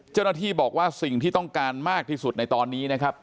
เจ้าหน้าที่บอกว่าสิ่งที่ต้องการมากที่สุดในตอนนี้นะครับ